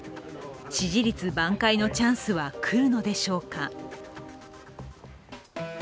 支持率挽回のチャンスはくるのでしょうか。